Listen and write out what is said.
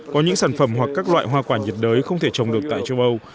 có những sản phẩm hoặc các loại hoa quả nhiệt đới không thể trồng được tại châu âu